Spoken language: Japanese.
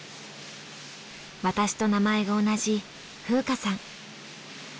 私と名前が同じ風花さん。